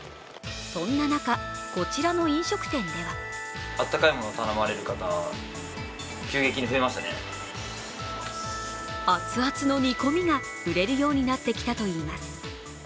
そんな中、こちらの飲食店では熱々の煮込みが売れるようになってきたといいます。